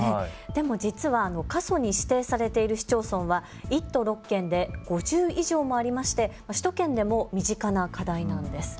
でも実は過疎に指定されている市町村は１都６県で５０以上もありまして首都圏でも身近な課題なんです。